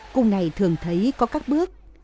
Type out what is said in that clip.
cung này thường thấy có các bước